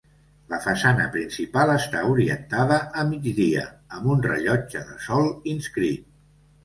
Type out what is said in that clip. La façana principal està orientada a migdia amb un rellotge de sol inscrit.